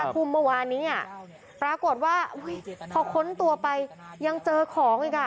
ทุ่มเมื่อวานนี้ปรากฏว่าพอค้นตัวไปยังเจอของอีกอ่ะ